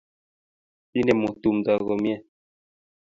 Inemu tumto komye